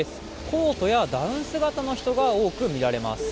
コートやダウン姿の人が多く見られます。